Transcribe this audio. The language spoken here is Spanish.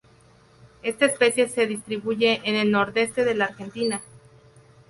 Esta especie se distribuye en el nordeste de la Argentina.